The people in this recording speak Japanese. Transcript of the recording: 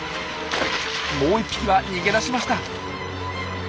もう１匹は逃げ出しました。